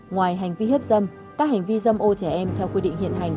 ngoài hành vi hiếp dâm các hành vi dâm ô trẻ em theo quy định hiện hành